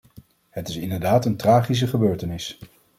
Het is inderdaad een tragische gebeurtenis.